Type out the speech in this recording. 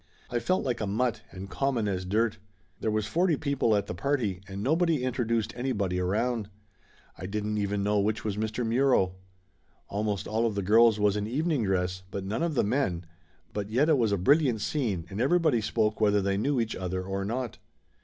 I felt like a mut, and common as dirt. There was forty people at the party, and nobody introduced anybody around. I didn't even know which was Mr. Muro. Almost all of the girls was in evening dress but none of the men, but yet it was a brilliant scene, and everybody spoke whether they knew each other or not.